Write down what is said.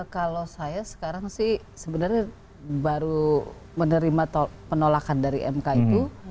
kalau saya sekarang sih sebenarnya baru menerima penolakan dari mk itu